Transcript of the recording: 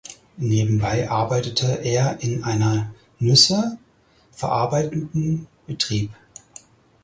Nebenbei arbeitete er in einer Nüsse verarbeitenden Betrieb.